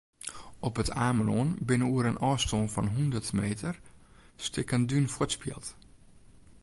Op It Amelân binne oer in ôfstân fan hûndert meter stikken dún fuortspield.